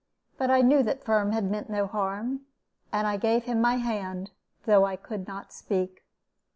But I knew that Firm had meant no harm, and I gave him my hand, though I could not speak.